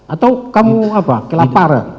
atau kamu apa kelaparan